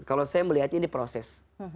kalau saya melihatnya ini proses